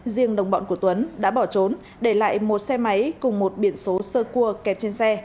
riêng đồng bọn của tuấn đã bỏ trốn để lại một xe máy cùng một biển số sơ cua kẹp trên xe